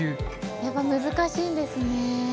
やっぱ難しいんですね。